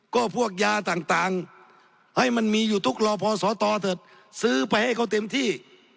ก็พวกยาต่างให้มันมีอยู่ทุกรอพอสตเถอะซื้อไปให้เขาเต็มที่